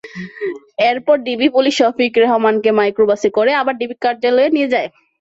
এরপর DB police Shafiq রেহমানকে মাইক্রোবাসে করে আবার ডিবি কার্যালয়ে নিয়ে যায়।